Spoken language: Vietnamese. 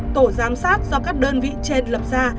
tổ giám sát do các đơn vị trên lập ra